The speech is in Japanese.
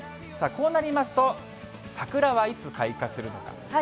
さあ、こうなりますと、桜はいつ開花するのか。